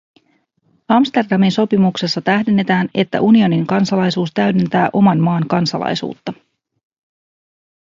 Amsterdamin sopimuksessa tähdennetään, että unionin kansalaisuus täydentää oman maan kansalaisuutta.